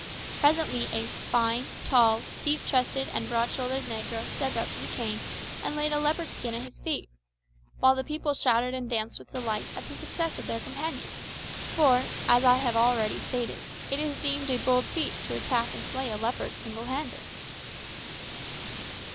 Presently a fine, tall, deep chested and broad shouldered negro stepped up to the king and laid a leopard skin at his feet, while the people shouted and danced with delight at the success of their companion; for, as I have already stated, it is deemed a bold feat to attack and slay a leopard single handed.